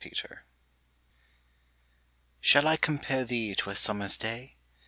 XVIII Shall I compare thee to a summerâs day?